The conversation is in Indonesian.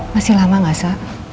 masih lama gak sa